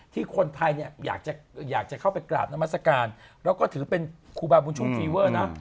คนไทยเนี่ยอยากจะเข้าไปกราบนามัศกาลแล้วก็ถือเป็นครูบาบุญชุ่มฟีเวอร์นะ